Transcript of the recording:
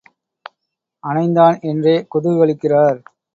அணைந்தான் என்றே குதூகலிக்கிறார்.